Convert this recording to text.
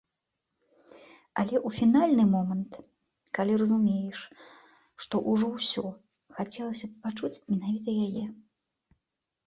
Але ў фінальны момант, калі разумееш, што ўжо ўсё, хацелася б пачуць менавіта яе.